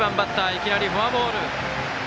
いきなりフォアボール。